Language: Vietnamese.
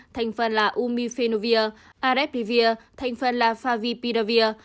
thành phần là umifinovir arepivir thành phần là favipiravir